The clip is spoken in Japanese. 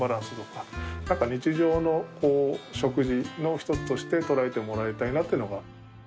何か日常の食事の一つとして捉えてもらいたいなっていうのが。